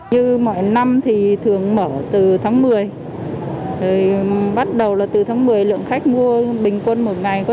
như mỗi năm thì thường mở từ tháng một mươi bắt đầu là từ tháng một mươi lượng khách mua bình quân một ngày có